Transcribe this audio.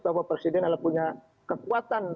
bahwa presiden adalah punya kekuatan